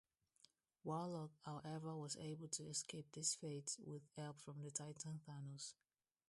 Warlock, however, was able to escape this fate with help from the Titan Thanos.